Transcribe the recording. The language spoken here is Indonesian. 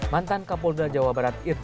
mantan kapolda jawa barat irjen punggung